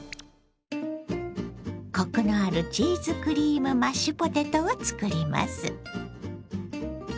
コクのあるチーズクリームマッシュポテトを作ります。